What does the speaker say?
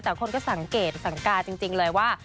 แต่คนก็สังเกตสังกาจริงเลยว่า